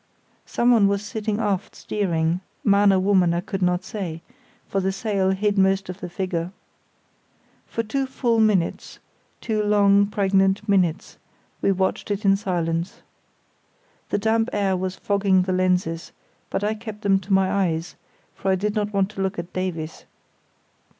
Someone was sitting aft steering, man or woman I could not say, for the sail hid most of the figure. For full two minutes—two long, pregnant minutes—we watched it in silence. The damp air was fogging the lenses, but I kept them to my eyes; for I did not want to look at Davies.